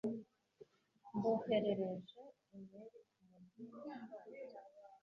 Mboherereje imeri kumurwi wunganira.